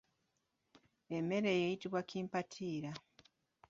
Emmere eyo eyitibwa kimpatiira.